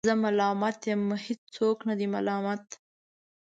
زه ملامت یم ، هیڅوک نه دی ملامت